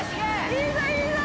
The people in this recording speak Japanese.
いいぞいいぞ！